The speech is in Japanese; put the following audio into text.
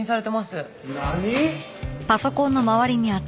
何！？